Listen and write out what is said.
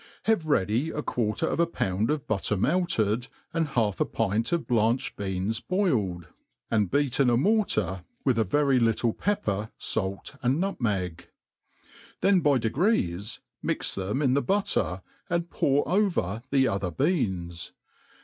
Have ready a quar ter of a pound of butter melted, and half a pint of blanched beans boiled, and beat in a mortar, with a very little pepper, fait, and nutmeg ; then by degrees mix them in the butterj and pour over the other beans.